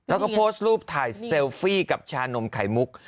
แล้วก็โพสต์รูปถ่ายเซลฟี่กับชานมไข่มุก